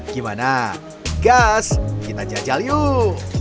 gimana gas kita jajal yuk